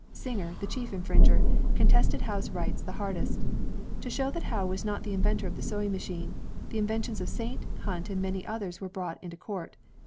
Singer, the chief infringer, contested Howe's rights the hardest. To show that Howe was not the inventor of the sewing ma chine, the inventions of Saint, Hunt, and many others were brought into court.